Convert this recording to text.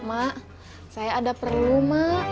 mak saya ada perlu mak